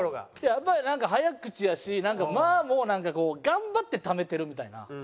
やっぱりなんか早口やし間もなんかこう頑張ってためてるみたいな。